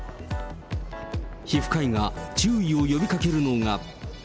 皮膚科医が注意を呼びかけるのが。